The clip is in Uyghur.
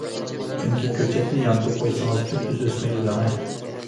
چۈنكى كۆچەتنى يانتۇ قويسىڭىز تۈپتۈز ئۆسمەيدۇ دەڭە.